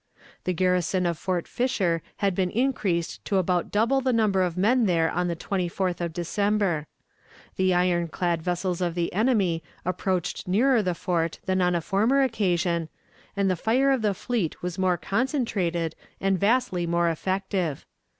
The garrison of Fort Fisher had been increased to about double the number of men there on the 24th of December. The iron clad vessels of the enemy approached nearer the fort than on a former occasion, and the fire of the fleet was more concentrated and vastly more effective.